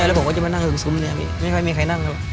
เอาแบบนี้ผมก็จะมานั่งได้ในซุมเลยครับไม่ค่อยมีใครนั่งครับ